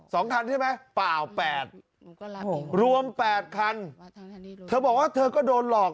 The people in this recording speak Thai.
สองคันใช่ไหมเปล่าแปดรวมแปดคันเธอบอกว่าเธอก็โดนหลอก